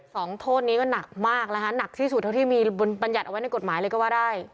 โทษนี้ก็หนักมากนะคะหนักที่สุดเท่าที่มีบรรยัติเอาไว้ในกฎหมายเลยก็ว่าได้